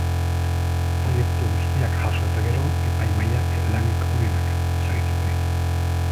Proiektu guztiak jaso eta gero epaimahaiak lanik onenak sarituko ditu.